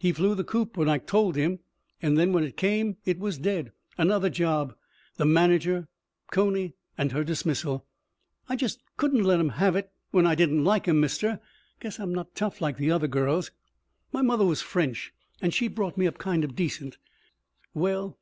He flew the coop when I told him, and then when it came, it was dead...." Another job ... the manager ... Coney and her dismissal. "I just couldn't let 'em have it when I didn't like 'em, mister. Guess I'm not tough like the other girls. My mother was French and she brought me up kind of decent. Well...."